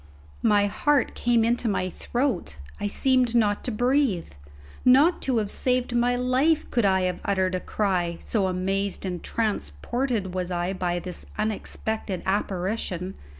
My heart came into my throat; I seemed not to breathe; not to have saved my life could I have uttered a cry, so amazed and transported was I by this unexpected apparition.